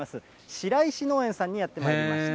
白石農園さんにやってまいりました。